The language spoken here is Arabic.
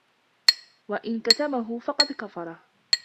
وَإِنْ كَتَمَهُ فَقَدْ كَفَرَهُ